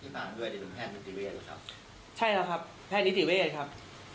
แพทย์นิติเวศครับใช่แล้วครับแพทย์นิติเวศครับ